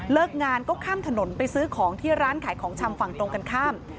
งานก็ข้ามถนนไปซื้อของที่ร้านขายของชำฝั่งตรงกันข้าม